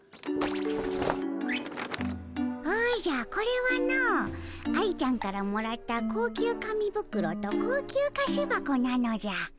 おじゃこれはの愛ちゃんからもらった高級紙袋と高級菓子箱なのじゃ。